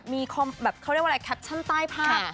มีเขาเรียกว่าอะไรแคปชั่นใต้ภาพ